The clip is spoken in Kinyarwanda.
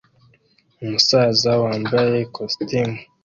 Umusaza wambaye ikositimu